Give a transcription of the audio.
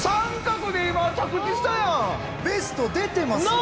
ベスト出てますよね。